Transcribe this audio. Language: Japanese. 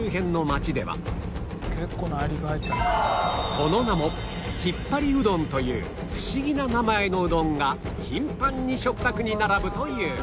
その名もひっぱりうどんというフシギな名前のうどんが頻繁に食卓に並ぶという